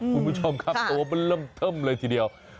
คุณผู้ชมครับตัวมันเริ่มเทิมเลยทีเดียว